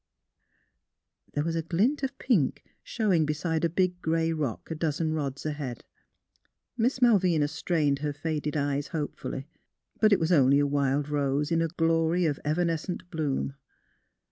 " There was a glint of pink showing beside a big grey rock a dozen rods ahead. Miss Malvina strained her faded eyes hopefully. But it was only a wild rose in a glory of evanescent bloom.